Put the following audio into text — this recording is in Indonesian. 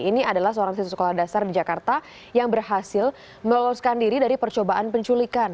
ini adalah seorang siswa sekolah dasar di jakarta yang berhasil meloloskan diri dari percobaan penculikan